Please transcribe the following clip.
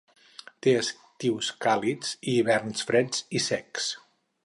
Té estius càlids i hiverns freds i secs.